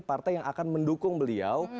partai yang akan mendukung beliau